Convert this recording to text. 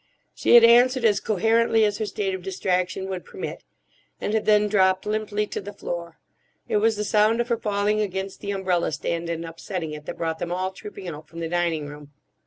She had answered as coherently as her state of distraction would permit, and had then dropped limply to the floor. It was the sound of her falling against the umbrella stand and upsetting it that brought them all trooping out from the dining room.